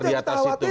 di atas situ